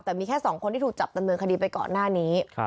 แต่มีแค่๒คนที่ถูกจับดำเนินคดีไปก่อนหน้านี้